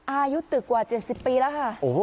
อายุตึกกว่า๗๐ปีแล้วค่ะ